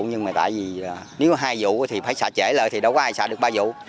nhưng mà tại vì nếu hai vụ thì phải xả trễ lợi thì đã có ai xả được ba vụ